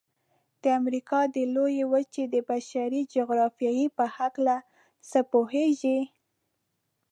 د امریکا د لویې وچې د بشري جغرافیې په هلکه څه پوهیږئ؟